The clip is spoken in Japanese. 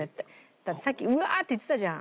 だってさっき「うわー！」って言ってたじゃん。